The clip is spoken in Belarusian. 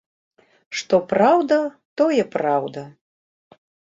Што праўда, тое праўда.